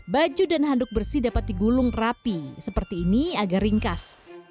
baju dan handuk bersih dapat digulung rapi seperti ini agar ringkas